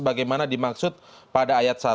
bagaimana dimaksud pada ayat satu